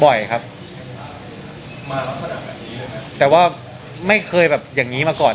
บ่อยครับมาลักษณะแบบนี้แต่ว่าไม่เคยแบบอย่างงี้มาก่อน